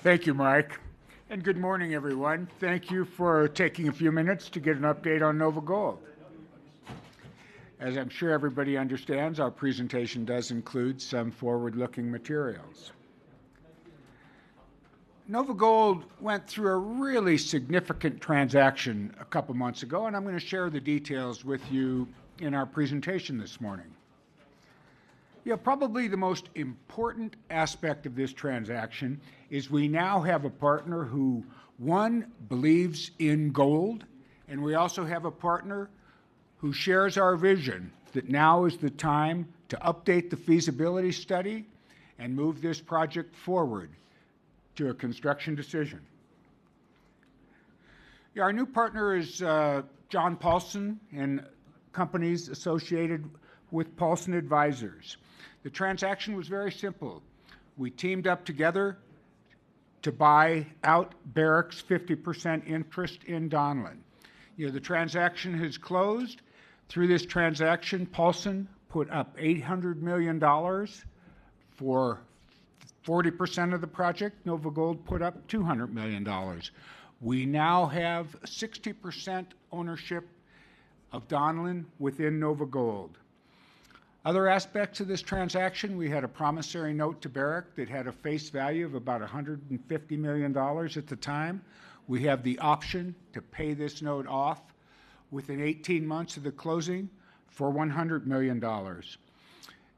Thank you, Mike, and good morning, everyone. Thank you for taking a few minutes to get an update on NOVAGOLD. As I'm sure everybody understands, our presentation does include some forward-looking materials. NovaGold went through a really significant transaction a couple of months ago, and I'm going to share the details with you in our presentation this morning. You know, probably the most important aspect of this transaction is we now have a partner who, one, believes in gold, and we also have a partner who shares our vision that now is the time to update the feasibility study and move this project forward to a construction decision. Our new partner is John Paulson and companies associated with Paulson Advisors. The transaction was very simple. We teamed up together to buy out Barrick's 50% interest in Donlin. You know, the transaction has closed. Through this transaction, Paulson put up $800 million for 40% of the project. NovaGold put up $200 million. We now have 60% ownership of Donlin within NovaGold. Other aspects of this transaction: we had a promissory note to Barrick that had a face value of about $150 million at the time. We have the option to pay this note off within 18 months of the closing for $100 million.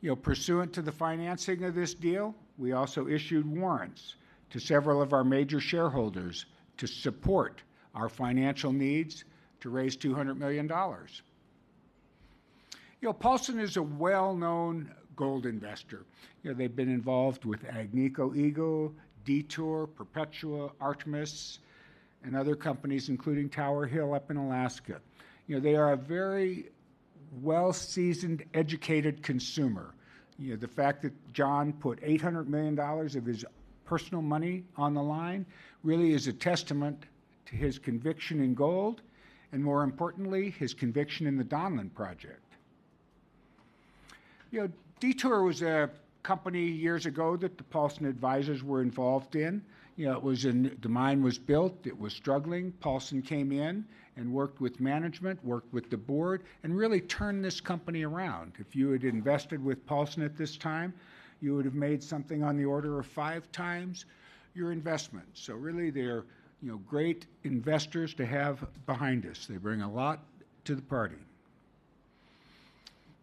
You know, pursuant to the financing of this deal, we also issued warrants to several of our major shareholders to support our financial needs to raise $200 million. You know, Paulson is a well-known gold investor. You know, they've been involved with Agnico Eagle, Detour, Perpetua, Artemis, and other companies, including Tower Hill up in Alaska. You know, they are a very well-seasoned, educated consumer. You know, the fact that John put $800 million of his personal money on the line really is a testament to his conviction in gold and, more importantly, his conviction in the Donlin project. You know, Detour was a company years ago that the Paulson Advisors were involved in. You know, it was when the mine was built. It was struggling. Paulson came in and worked with management, worked with the board, and really turned this company around. If you had invested with Paulson at this time, you would have made something on the order of five times your investment. So really, they're, you know, great investors to have behind us. They bring a lot to the party.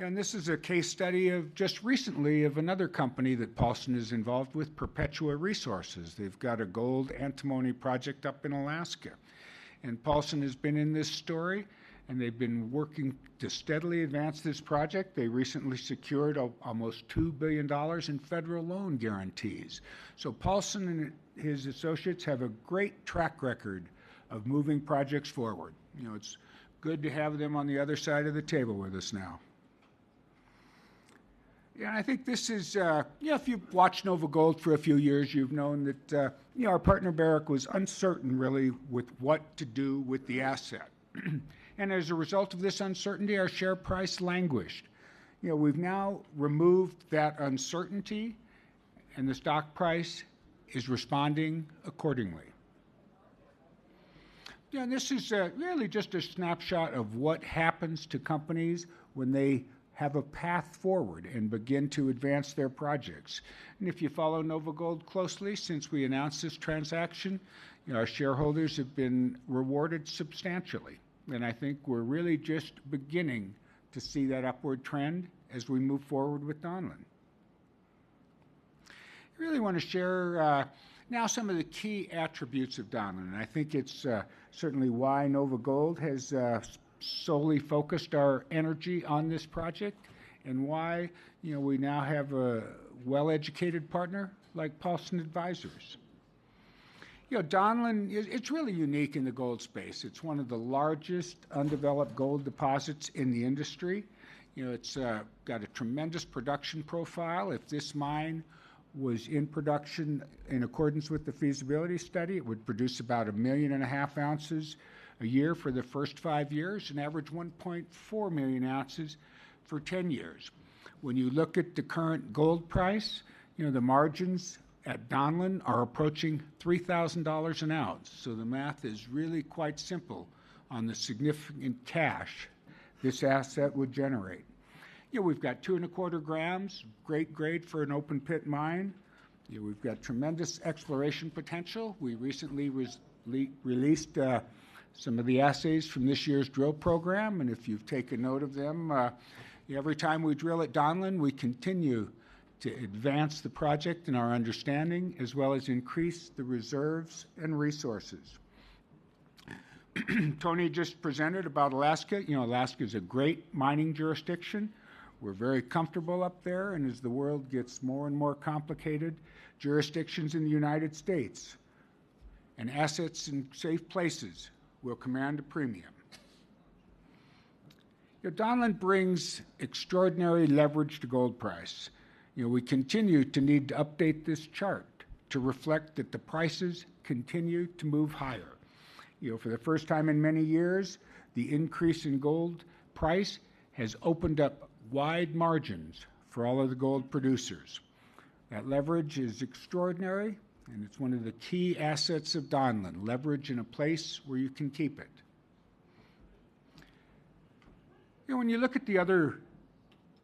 And this is a case study of just recently of another company that Paulson is involved with, Perpetua Resources. They've got a gold antimony project up in Alaska. And Paulson has been in this story, and they've been working to steadily advance this project. They recently secured almost $2 billion in federal loan guarantees. So Paulson and his associates have a great track record of moving projects forward. You know, it's good to have them on the other side of the table with us now. Yeah, and I think this is, you know, if you've watched NovaGold for a few years, you've known that, you know, our partner Barrick was uncertain really with what to do with the asset. And as a result of this uncertainty, our share price languished. You know, we've now removed that uncertainty, and the stock price is responding accordingly. You know, and this is really just a snapshot of what happens to companies when they have a path forward and begin to advance their projects. If you follow NovaGold closely, since we announced this transaction, you know, our shareholders have been rewarded substantially. I think we're really just beginning to see that upward trend as we move forward with Donlin. I really want to share now some of the key attributes of Donlin. I think it's certainly why NovaGold has solely focused our energy on this project and why, you know, we now have a well-educated partner like Paulson Advisors. You know, Donlin, it's really unique in the gold space. It's one of the largest undeveloped gold deposits in the industry. You know, it's got a tremendous production profile. If this mine was in production in accordance with the feasibility study, it would produce about a million and a half ounces a year for the first five years and average 1.4 million ounces for 10 years. When you look at the current gold price, you know, the margins at Donlin are approaching $3,000 an ounce. So the math is really quite simple on the significant cash this asset would generate. You know, we've got two and a quarter grams, great grade for an open-pit mine. You know, we've got tremendous exploration potential. We recently released some of the assays from this year's drill program. And if you've taken note of them, every time we drill at Donlin, we continue to advance the project and our understanding as well as increase the reserves and resources. Tony just presented about Alaska. You know, Alaska is a great mining jurisdiction. We're very comfortable up there. And as the world gets more and more complicated, jurisdictions in the United States and assets in safe places will command a premium. You know, Donlin brings extraordinary leverage to gold price. You know, we continue to need to update this chart to reflect that the prices continue to move higher. You know, for the first time in many years, the increase in gold price has opened up wide margins for all of the gold producers. That leverage is extraordinary, and it's one of the key assets of Donlin: leverage in a place where you can keep it. You know, when you look at the other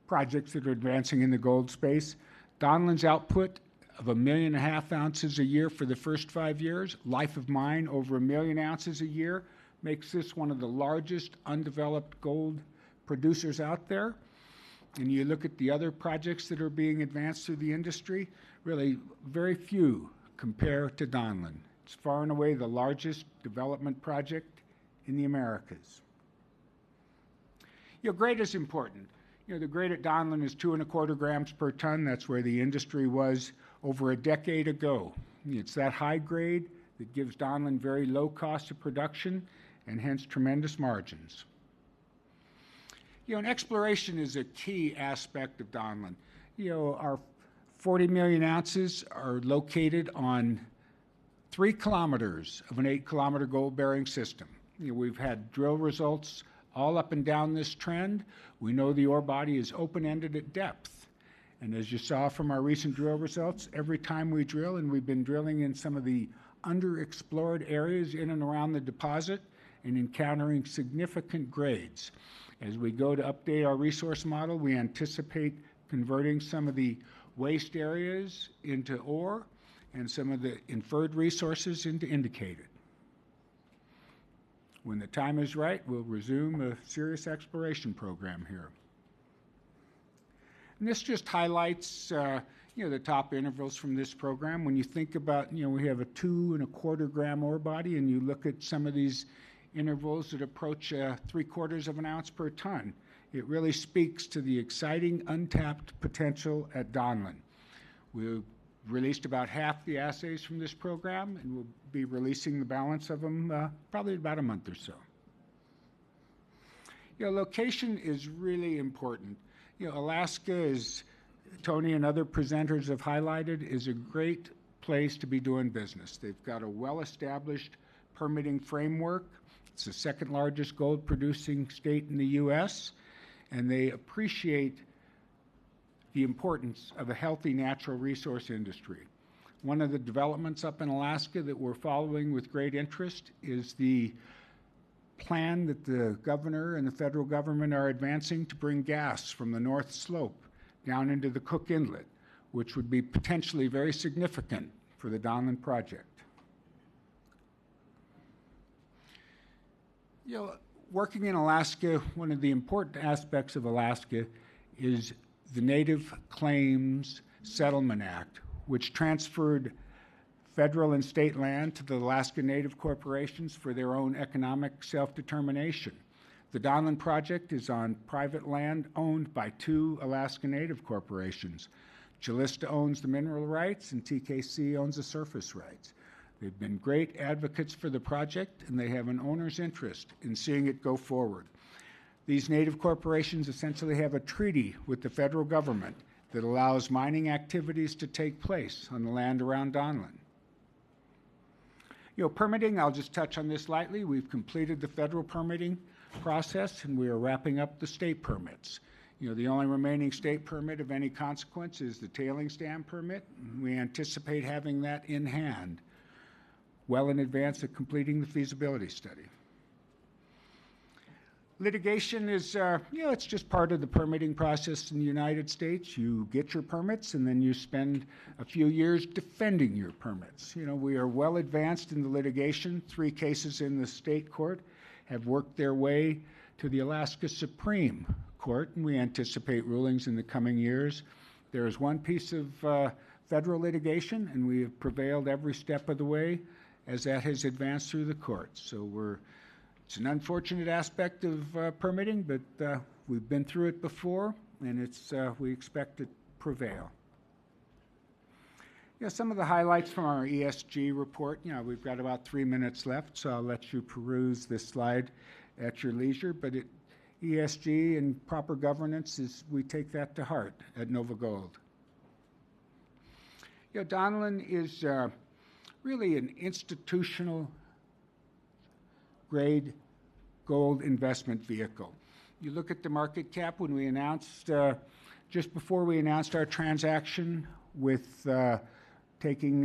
projects that are advancing in the gold space, Donlin's output of a million and a half ounces a year for the first five years, life of mine over a million ounces a year makes this one of the largest undeveloped gold producers out there, and you look at the other projects that are being advanced through the industry, really very few compare to Donlin. It's far and away the largest development project in the Americas. You know, grade is important. You know, the grade at Donlin is two and a quarter grams per ton. That's where the industry was over a decade ago. It's that high grade that gives Donlin very low cost of production and hence tremendous margins. You know, and exploration is a key aspect of Donlin. You know, our 40 million ounces are located on three kilometers of an eight-kilometer gold-bearing system. You know, we've had drill results all up and down this trend. We know the ore body is open-ended at depth, and as you saw from our recent drill results, every time we drill, and we've been drilling in some of the underexplored areas in and around the deposit and encountering significant grades. As we go to update our resource model, we anticipate converting some of the waste areas into ore and some of the inferred resources into indicated. When the time is right, we'll resume a serious exploration program here. And this just highlights, you know, the top intervals from this program. When you think about, you know, we have a two and a quarter gram ore body, and you look at some of these intervals that approach three quarters of an ounce per ton, it really speaks to the exciting untapped potential at Donlin. We've released about half the assays from this program, and we'll be releasing the balance of them probably in about a month or so. You know, location is really important. You know, Alaska is, Tony and other presenters have highlighted, is a great place to be doing business. They've got a well-established permitting framework. It's the second largest gold-producing state in the U.S., and they appreciate the importance of a healthy natural resource industry. One of the developments up in Alaska that we're following with great interest is the plan that the governor and the federal government are advancing to bring gas from the North Slope down into the Cook Inlet, which would be potentially very significant for the Donlin project. You know, working in Alaska, one of the important aspects of Alaska is the Native Claims Settlement Act, which transferred federal and state land to the Alaska Native corporations for their own economic self-determination. The Donlin project is on private land owned by two Alaska Native corporations. Calista owns the mineral rights, and TKC owns the surface rights. They've been great advocates for the project, and they have an owner's interest in seeing it go forward. These Native corporations essentially have a treaty with the federal government that allows mining activities to take place on the land around Donlin. You know, permitting, I'll just touch on this lightly. We've completed the federal permitting process, and we are wrapping up the state permits. You know, the only remaining state permit of any consequence is the tailings dam permit, and we anticipate having that in hand well in advance of completing the feasibility study. Litigation is, you know, it's just part of the permitting process in the United States. You get your permits, and then you spend a few years defending your permits. You know, we are well advanced in the litigation. Three cases in the state court have worked their way to the Alaska Supreme Court, and we anticipate rulings in the coming years. There is one piece of federal litigation, and we have prevailed every step of the way as that has advanced through the court. So we're. It's an unfortunate aspect of permitting, but we've been through it before, and it's. We expect to prevail. You know, some of the highlights from our ESG report. You know, we've got about three minutes left, so I'll let you peruse this slide at your leisure. But ESG and proper governance is. We take that to heart at NovaGold. You know, Donlin is really an institutional-grade gold investment vehicle. You look at the market cap when we announced, just before we announced our transaction with taking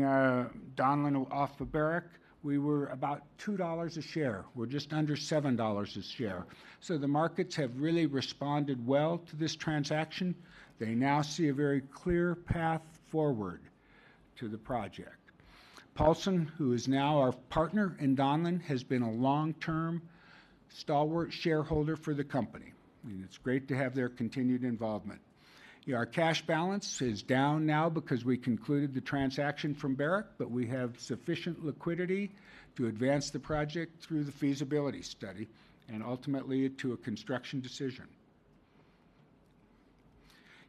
Donlin off of Barrick, we were about $2 a share. We're just under $7 a share. So the markets have really responded well to this transaction. They now see a very clear path forward to the project. Paulson, who is now our partner in Donlin, has been a long-term stalwart shareholder for the company. And it's great to have their continued involvement. You know, our cash balance is down now because we concluded the transaction from Barrick, but we have sufficient liquidity to advance the project through the feasibility study and ultimately to a construction decision.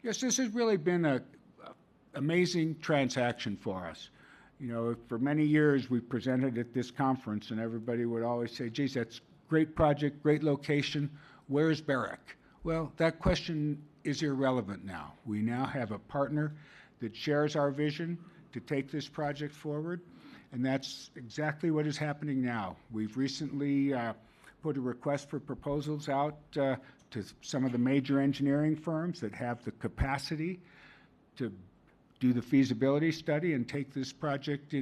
Yes, this has really been an amazing transaction for us. You know, for many years, we presented at this conference, and everybody would always say, "Geez, that's a great project, great location. Where's Barrick?" Well, that question is irrelevant now. We now have a partner that shares our vision to take this project forward. And that's exactly what is happening now. We've recently put a request for proposals out to some of the major engineering firms that have the capacity to do the feasibility study and take this project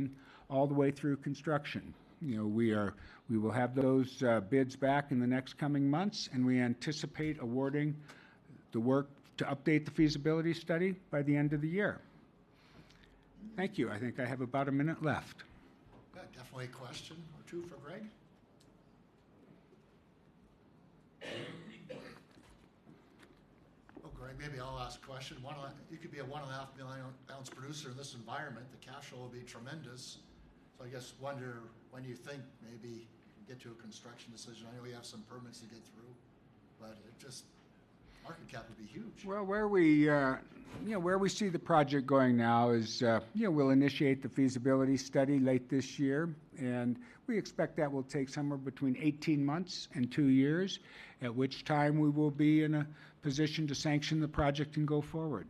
all the way through construction. You know, we are, we will have those bids back in the next coming months, and we anticipate awarding the work to update the feasibility study by the end of the year. Thank you. I think I have about a minute left. Got definitely a question or two for Greg. Oh, Greg, maybe I'll ask a question. You could be a one and a half million ounce producer in this environment. The cash flow would be tremendous. So I guess wonder when you think maybe you can get to a construction decision. I know we have some permits to get through, but it just, market cap would be huge. You know, where we see the project going now is, you know, we'll initiate the feasibility study late this year, and we expect that will take somewhere between 18 months and two years, at which time we will be in a position to sanction the project and go forward.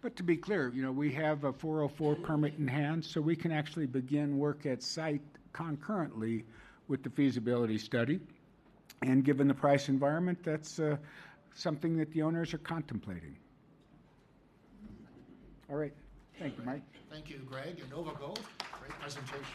But to be clear, you know, we have a 404 permit in hand, so we can actually begin work at site concurrently with the feasibility study. And given the price environment, that's something that the owners are contemplating. All right. Thank you, Mike. Thank you, Greg. And NovaGold, great presentation.